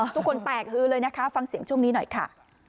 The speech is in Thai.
ทุกคนแตกฮือเลยนะคะฟังเสียงช่วงนี้หน่อยค่ะ